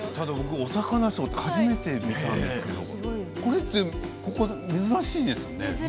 おさかなショーを初めて見たんですけれども珍しいですよ。